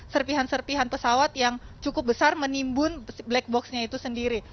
serpihan serpihan pesawat yang cukup besar menimbun black boxnya itu sendiri